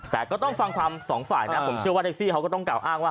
แต่ก็ต้องฟังความสองฝ่ายนะผมเชื่อว่าแท็กซี่เขาก็ต้องกล่าอ้างว่า